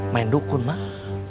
main dukun mak